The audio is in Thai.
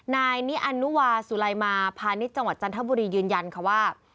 นายนิอันนุวาสุลัยมาพาณิชย์จังหวัดจันทบุรียืนยันค่ะว่า